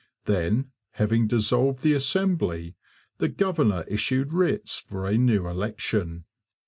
Then, having dissolved the Assembly, the governor issued writs for a new election.